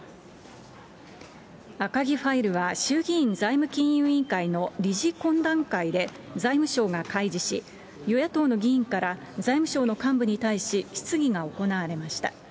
赤木ファイルは衆議院財務金融委員会の理事懇談会で、財務省が開示し、与野党の議員から財務省の幹部に対し、質疑が行われました。